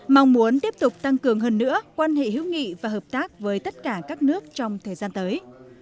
mong muốn tiếp tục tăng cường hơn nữa quan hệ hữu nghị và hợp tác với tất cả các nước trong thời gian tới